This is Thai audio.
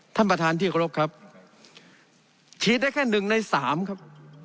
ท่านประธานที่เคารพครับฉีดได้แค่๑ใน๓ครับ